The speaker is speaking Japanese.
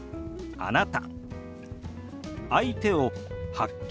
「あなた」。